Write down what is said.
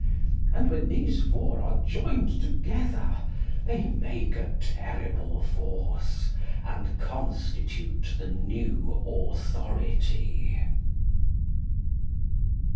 And when these four are joined together they make a terrible force, and constitute the new authority.